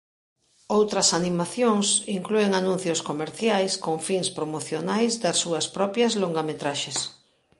Outras animacións inclúen anuncios comerciais con fins promocionais das súas propias longametraxes.